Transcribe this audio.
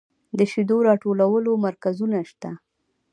د شیدو راټولولو مرکزونه شته